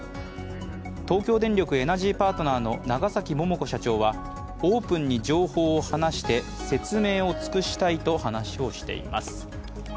東京電力エナジーパートナーの長崎桃子社長はオープンに情報を話して説明を尽くしたいと話をしています。